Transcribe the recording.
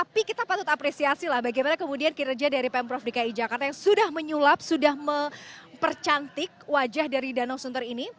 tapi kita patut apresiasi lah bagaimana kemudian kinerja dari pemprov dki jakarta yang sudah menyulap sudah mempercantik wajah dari danau sunter ini